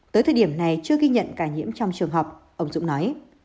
tới thời điểm này chưa ghi nhận ca nhiễm trong trường học ông dũng nói